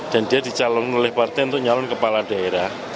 dan dia dicalon oleh partai untuk nyalon kepala daerah